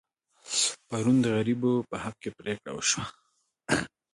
پرون د غریبو په حق کې پرېکړه وشوه.